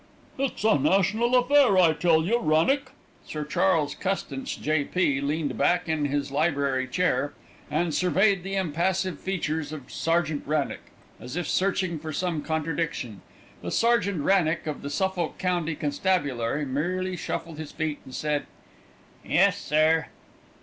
II "It's a national affair, I tell you, Wrannock!" Sir Charles Custance, J.P., leaned back in his library chair, and surveyed the impassive features of Sergeant Wrannock, as if searching for some contradiction; but Sergeant Wrannock of the Suffolk County Constabulary merely shuffled his feet and said: "Yes, sir!"